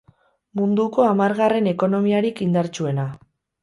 Munduko hamargarren ekonomiarik indartsuena.